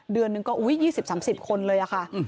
เดือนหนึ่งก็๒๐๓๐คนเลยค่ะ